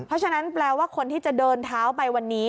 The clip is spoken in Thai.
เพราะฉะนั้นแปลว่าคนที่จะเดินเท้าไปวันนี้